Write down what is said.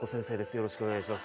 よろしくお願いします